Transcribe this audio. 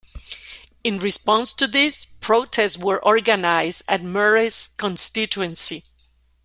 In response to this, protests were organised at Murray's constituency.